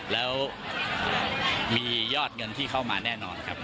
แล้วมียอดเงินที่เข้ามาแน่นอนครับ